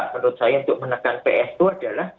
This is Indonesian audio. menurut saya untuk menekan psu adalah